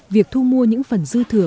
việc thu mua những phần dư thừa